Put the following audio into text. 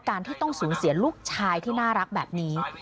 ที่ต้องสูญเสียลูกชายที่น่ารักแบบนี้